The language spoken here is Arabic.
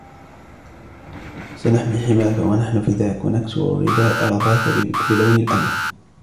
سنحمي حماك ونحن فداك ونكسو رباك بلون الأمل